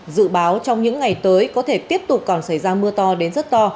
dự báo trong những ngày tới có thể tiếp tục còn xảy ra mưa to đến rất to